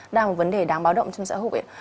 đang là vấn đề đáng báo động trong xã hội